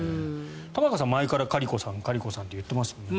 玉川さん、前からカリコさん、カリコさんって言ってましたもんね。